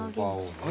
あれ？